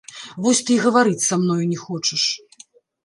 Вось ты і гаварыць са мною не хочаш.